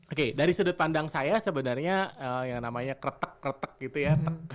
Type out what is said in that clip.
oke dari sudut pandang saya sebenarnya yang namanya kretek kretek gitu ya